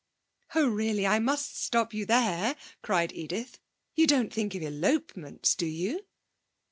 'Oh, really, I must stop you there,' cried Edith. 'You don't think of elopements, do you?'